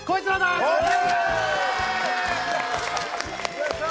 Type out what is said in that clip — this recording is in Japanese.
よいしょ！